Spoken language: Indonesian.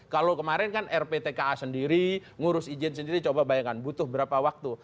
kalau kemarin kan rptka sendiri ngurus izin sendiri coba bayangkan butuh berapa waktu